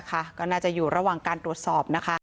ก็น่าจะอยู่ระหว่างการตรวจสอบนะคะ